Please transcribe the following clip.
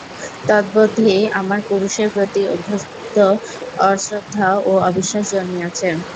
তদবধি আমার পুরুষের প্রতি অভ্যন্ত অশ্রদ্ধা ও অবিশ্বাস জন্মিয়াছে।